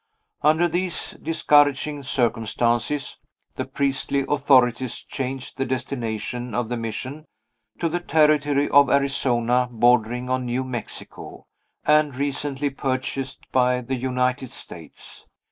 Under these discouraging circumstances, the priestly authorities changed the destination of the Mission to the territory of Arizona, bordering on New Mexico, and recently purchased by the United States.